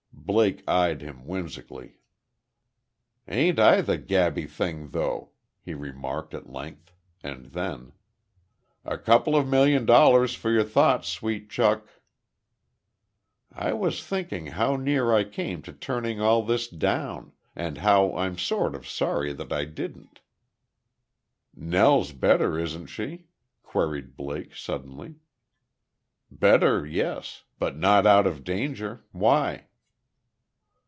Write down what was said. Blake eyed him, whimsically. "Ain't I the gabby thing, though?" he remarked, at length. And then: "A couple of million dollars for your thoughts, sweet chuck." "I was thinking how near I came to turning this all down and how I'm sort of sorry that I didn't." "Nell's better, isn't she?" queried Blake, suddenly. "Better, yes; but not out of danger. Why?"